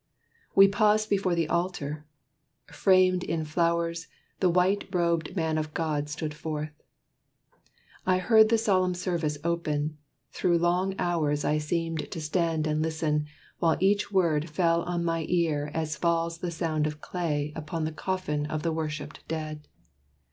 We paused before the altar. Framed in flowers, The white robed man of God stood forth. I heard The solemn service open; through long hours I seemed to stand and listen, while each word Fell on my ear as falls the sound of clay Upon the coffin of the worshiped dead.